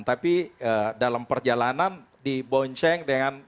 tapi dalam perjalanan di boon seng dengan